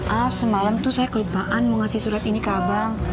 maaf semalam saya tuh kelupaan mau kasih surat ini ke abang